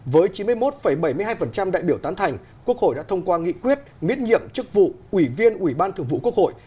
với chín mươi một bảy mươi hai đại biểu tán thành quốc hội đã thông qua nghị quyết miễn nhiệm chức vụ ủy viên ủy ban thượng vụ quốc hội